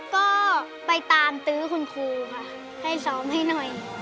ก็ไปตามตื้อคุณครูค่ะให้ซ้อมให้หน่อย